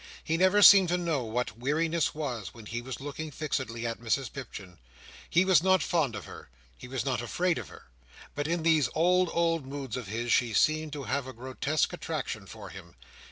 He never seemed to know what weariness was, when he was looking fixedly at Mrs Pipchin. He was not fond of her; he was not afraid of her; but in those old, old moods of his, she seemed to have a grotesque attraction for him.